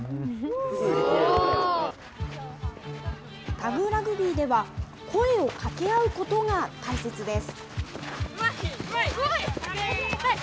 タグラグビーでは、声を掛け合うことが大切です。